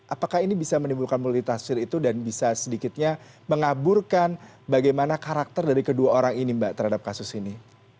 apakah ini bisa menimbulkan multitafsir itu dan bisa sedikitnya mengaburkan bagaimana karakter dari kedua orang ini mbak terhadap kasus ini